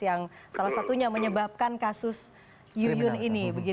yang salah satunya menyebabkan kasus yuyun ini